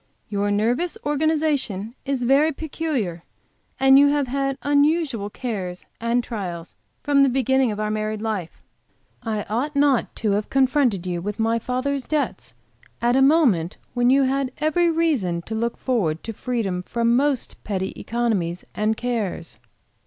"Your nervous organization is very peculiar, and you have had unusual cares and trials from the beginning of our married life. I ought not to have confronted you with my father's debts at a moment when you had every reason to look forward to freedom from most petty economies and cares."